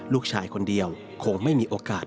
ลูกชายคนเดียวคงไม่มีโอกาส